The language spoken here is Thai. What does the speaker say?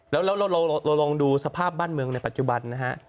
แล้วเราลองดูสภาพบ้านเมืองในปัจจุบันนะฮะ